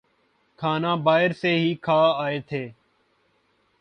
کھانا باہر سے ہی کھا آئے تھے